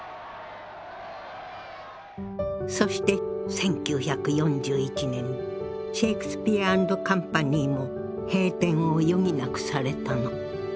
そして１９４１年シェイクスピア・アンド・カンパニーも閉店を余儀なくされたの。